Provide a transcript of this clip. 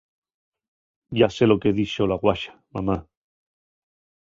Yá sé lo que dixo la Guaxa, mamá.